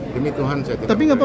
demi tuhan saya tidak mau komentar